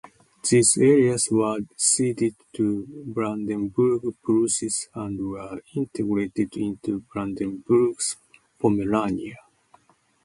These areas were ceded to Brandenburg-Prussia and were integrated into Brandenburgian Pomerania.